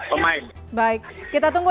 pemain baik kita tunggu